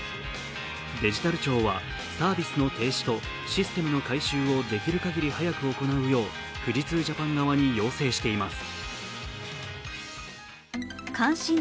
デジタル庁はサービスの停止とシステムの停止をできる限り早く行うよう富士通ジャパン側に要請しています。